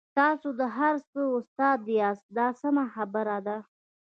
تاسو د هر څه استاد یاست دا سمه خبره ده.